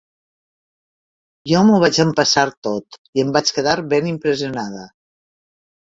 Jo m'ho vaig empassar tot i em vaig quedar ben impressionada.